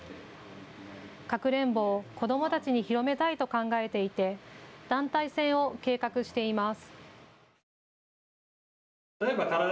かくれんぼを子どもたちに広めたいと考えていて団体戦を計画しています。